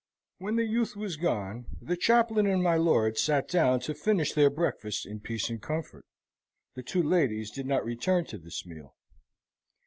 When the youth was gone, the chaplain and my lord sate down to finish their breakfast in peace and comfort. The two ladies did not return to this meal.